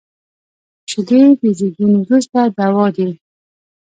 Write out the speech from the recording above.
شیدې د زیږون وروسته دوا دي